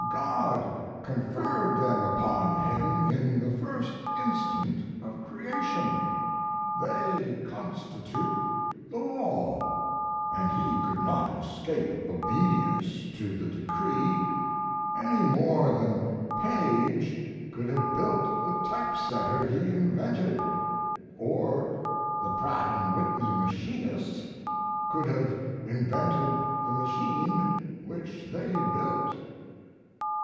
God conferred them upon him in the first instant of creation. They constitute the law, and he could not escape obedience to the decree any more than Paige could have built the type setter he invented, or the Pratt & Whitney machinists could have invented the machine which they built."